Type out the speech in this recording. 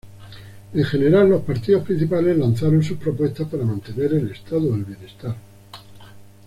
En general los partidos principales lanzaron sus propuestas para mantener el estado del bienestar.